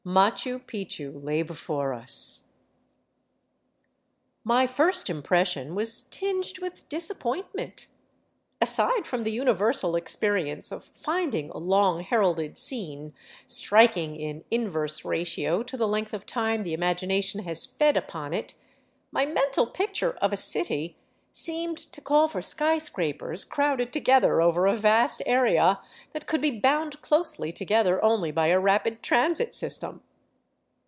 Machu Picchu lay before us. My first impression was tinged with disappointment. Aside from the universal experience of finding a long heralded scene striking in inverse ratio to the length of time the imagination has fed upon it, my mental picture of a city seemed to call for skyscrapers crowded together over a vast area that could be bound closely together only by a rapid transit system.